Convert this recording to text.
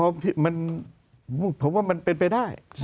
ผมว่ามันเป็นไปได้